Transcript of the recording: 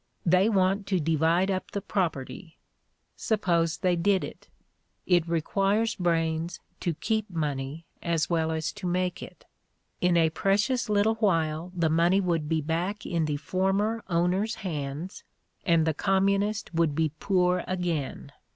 "They want to divide up the property. Sup pose they did it. It requires brains to keep money as well as to make it. In a precious little while the money would be back in the former owner's hands and the communist would be poor again.